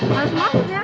harus masuk ya